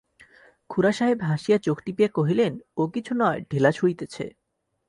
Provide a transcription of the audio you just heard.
খুড়াসাহেব হাসিয়া চোখ টিপিয়া কহিলেন, ও কিছু নয়, ঢেলা ছুঁড়িতেছে।